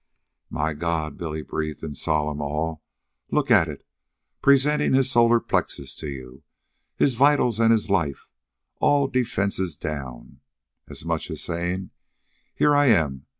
"My God!" Billy breathed in solemn awe. "Look at it! presenting his solar plexus to you, his vitals an' his life, all defense down, as much as sayin': 'Here I am.